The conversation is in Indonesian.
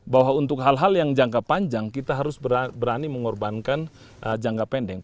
bahwa untuk hal hal yang jangka panjang kita harus berani mengorbankan jangka pendek